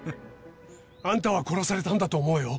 あんたは殺されたんだと思うよ。